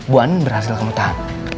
bu anin berhasil kamu tahan